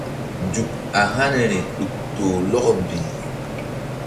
Nzuk a haniri ɗuk toh lɔkɔ mbih.